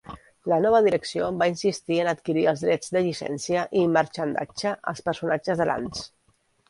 La nova direcció va insistir en adquirir els drets de llicència i marxandatge als personatges de Lantz.